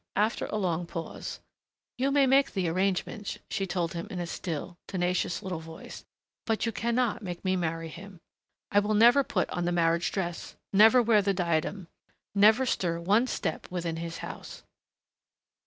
After a long pause, "You may make the arrangements," she told him in a still, tenacious little voice, "but you cannot make me marry him.... I will never put on the marriage dress.... Never wear the diadem.... Never stir one step within his house."